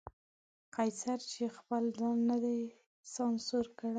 قیصر چې خپل ځان نه دی سانسور کړی.